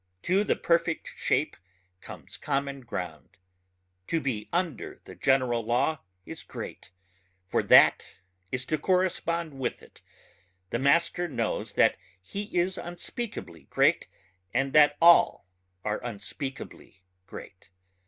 To the perfect shape comes common ground. To be under the general law is great, for that is to correspond with it. The master knows that he is unspeakably great and that all are unspeakably great